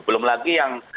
belum lagi yang